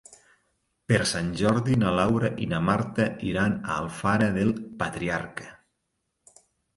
Per Sant Jordi na Laura i na Marta iran a Alfara del Patriarca.